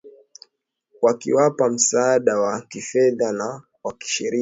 wakiwapa msaada wa kifedha na wa kisheria